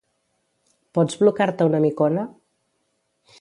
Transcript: Pots blocar-te una micona?